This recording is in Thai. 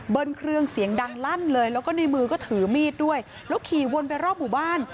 เครื่องเสียงดังลั่นเลยแล้วก็ในมือก็ถือมีดด้วยแล้วขี่วนไปรอบหมู่บ้าน